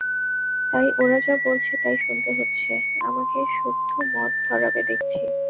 তাই ওরা যা বলছে তাই শুনতে হচ্ছে, আমাকে সুদ্ধ মদ ধরাবে দেখছি।